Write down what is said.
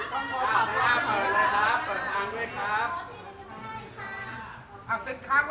ขอขอบคุณหน่อยนะคะ